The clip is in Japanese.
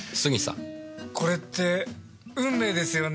これって運命ですよね？